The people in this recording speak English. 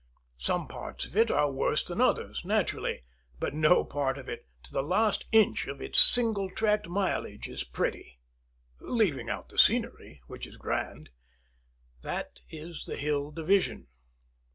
Some parts of it are worse than others, naturally; but no part of it, to the last inch of its single tracked mileage, is pretty leaving out the scenery, which is grand. That is the Hill Division.